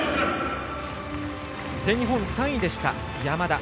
全日本３位でした、山田。